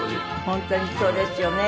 本当にそうですよね。